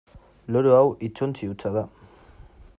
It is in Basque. Loro hau hitzontzi hutsa da.